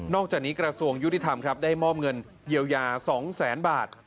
จากนี้กระทรวงยุติธรรมครับได้มอบเงินเยียวยา๒๐๐๐๐บาท